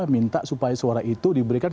minta supaya suara itu diberikan